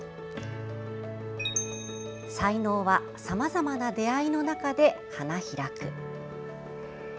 「才能はさまざまな出会いの中で花開く」。